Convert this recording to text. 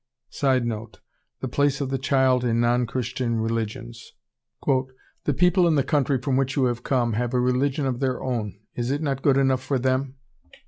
[Sidenote: The place of the child in non Christian religions.] "The people in the country from which you have come have a religion of their own, is it not good enough for them?